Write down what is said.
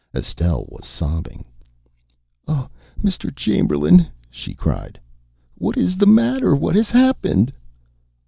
Estelle was sobbing. "Oh, Mr. Chamberlain," she cried. "What is the matter? What has happened?"